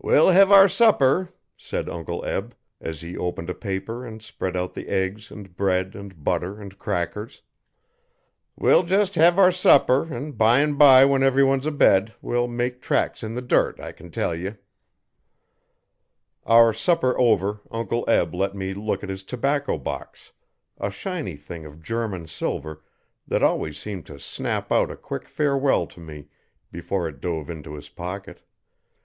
'We'll hev our supper,' said Uncle Eb, as he opened a paper and spread out the eggs and bread and butter and crackers. 'We'll jest hev our supper an' by 'n by when everyone's abed we'll make tracks in the dirt, I can tell ye.' Our supper over, Uncle Eb let me look at his tobacco box a shiny thing of German silver that always seemed to snap out a quick farewell to me before it dove into his pocket.